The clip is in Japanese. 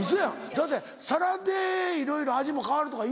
だって皿でいろいろ味も変わるとかいうやん。